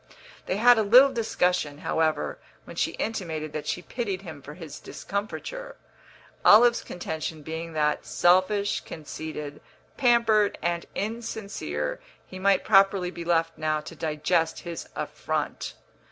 They had a little discussion, however, when she intimated that she pitied him for his discomfiture, Olive's contention being that, selfish, conceited, pampered and insincere, he might properly be left now to digest his affront.